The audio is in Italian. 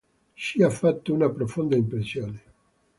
Ci ha fatto una profonda impressione.